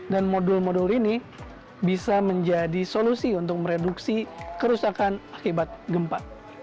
dan modul modul ini bisa menjadi solusi untuk mereduksi kerusakan akibat gempa